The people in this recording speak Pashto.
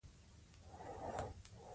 د وطن په دعاګانو کې خپل ځانونه شریک کړئ.